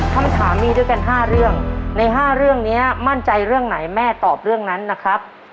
คำถามมีด้วยกัน๕เรื่องใน๕เรื่องนี้มั่นใจเรื่องไหนแม่ตอบเรื่องนั้นนะครับ